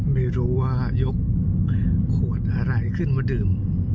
ไม่รู้ว่ายกขวดอะไรขึ้นมาดื่ม